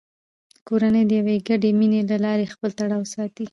کورنۍ د یوې ګډې مینې له لارې خپل تړاو ساتي